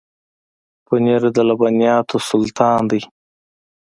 پنېر د لبنیاتو سلطان دی.